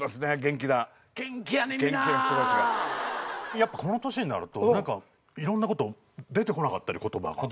やっぱこの年になるといろんなこと出てこなかったり言葉が。